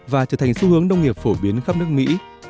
và trở thành xu hướng nông nghiệp phổ biến khắp nước mỹ